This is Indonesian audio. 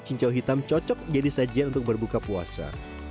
cincau hitam cocok jadi sajian untuk berbuka puasa